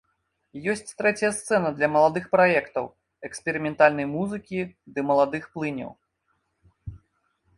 Ёсць трэцяя сцэна для маладых праектаў, эксперыментальнай музыкі ды маладых плыняў.